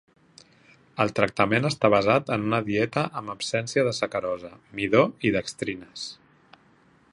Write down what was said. El tractament està basat en una dieta amb absència de sacarosa, midó i dextrines.